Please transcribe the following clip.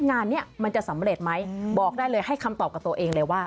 งานนี้มันจะสำเร็จไหมบอกได้เลยให้คำตอบกับตัวเองเลยว่า